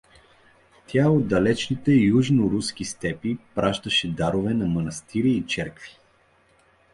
Тя от далечните южноруски степи пращаше дарове на манастири и черкви.